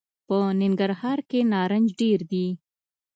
په ننګرهار کي نارنج ډېر دي .